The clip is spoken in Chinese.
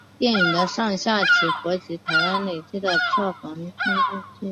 电影上下集合计在台湾累积票房也屡创纪录。